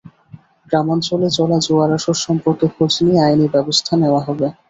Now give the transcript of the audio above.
গ্রামাঞ্চলে চলা জুয়ার আসর সম্পর্কে খোঁজ নিয়ে আইনি ব্যবস্থা নেওয়া হবে।